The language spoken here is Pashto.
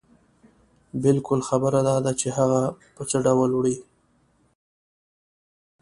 بلکې خبره داده چې هغه په څه ډول وړې.